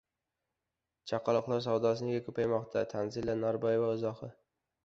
Chaqaloqlar savdosi nega ko‘paymoqda – Tanzila Norboeva izohi